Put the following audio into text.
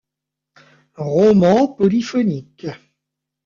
Roman polyphonique.